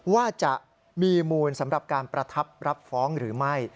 ว่าจะมีมูลสำหรับการประทับรับฟ้องหรือไม่